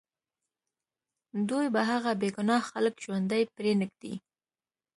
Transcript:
دوی به هغه بې ګناه خلک ژوندي پرېنږدي